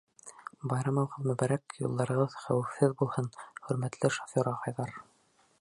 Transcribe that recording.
Байрамығыҙ мөбәрәк, юлдарығыҙ хәүефһеҙ булһын, хөрмәтле шофер ағайҙар!